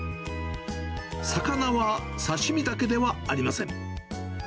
魚は刺身だけではありません。